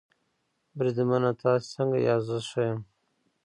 بریدمنه تاسې څنګه یاست؟ زه ښه یم.